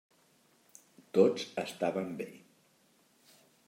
Tots estaven bé.